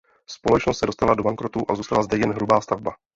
Společnost se dostala do bankrotu a zůstala zde jen hrubá stavba.